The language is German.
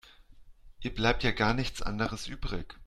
Ihr bleibt ja gar nichts anderes übrig.